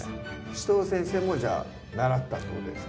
紫藤先生もじゃあ習ったってことですか？